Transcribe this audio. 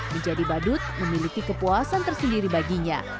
menjadi badut memiliki kepuasan tersendiri baginya